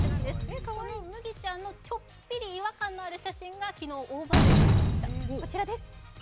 かわいいむぎちゃんのちょっぴり違和感のある写真が昨日大バズりとなりました。